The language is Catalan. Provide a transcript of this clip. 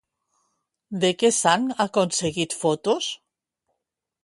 De què s'han aconseguit fotos?